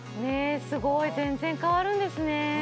すごい全然変わるんですね